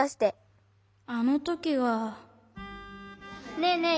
ねえねえ